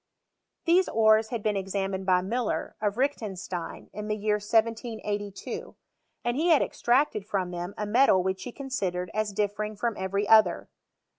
These ores had been examined by Muller, of Reichenstein, in the year 1782 ; and he had ex tracted from them a metal which he considered as differing from every other.